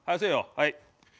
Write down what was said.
はい。